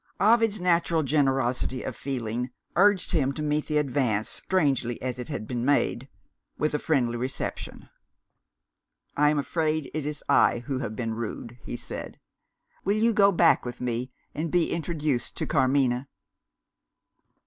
Ovid's natural generosity of feeling urged him to meet the advance, strangely as it had been made, with a friendly reception. "I am afraid it is I who have been rude," he said. "Will you go back with me, and be introduced to Carmina?"